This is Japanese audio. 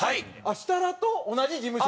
設楽と同じ事務所？